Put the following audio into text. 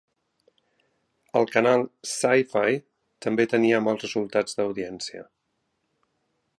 El canal SciFi també tenia mals resultats d'audiència.